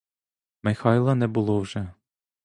Михайла не було вже.